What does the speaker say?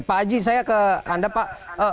pak haji saya ke anda pak